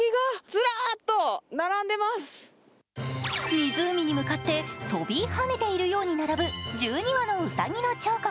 湖に向かって跳びはねているように並ぶ１２羽のうさぎの彫刻。